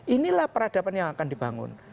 inilah peradaban yang akan dibangun